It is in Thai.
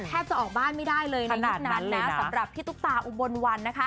แทบจะออกบ้านไม่ได้เลยในยุคนั้นนะสำหรับพี่ตุ๊กตาอุบลวัน